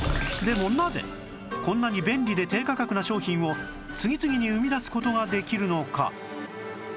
もなぜこんなに便利で低価格な商品を次々に生み出す事ができるのか？